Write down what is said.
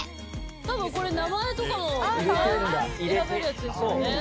たぶんこれ名前とかも自分で選べるやつですよね。